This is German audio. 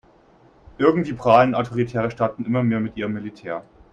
Irgendwie prahlen autoritäre Staaten immer mit ihrem Militär.